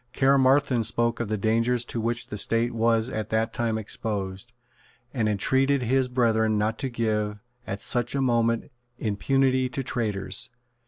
Caermarthen spoke of the dangers to which the State was at that time exposed, and entreated his brethren not to give, at such a moment, impunity to traitors.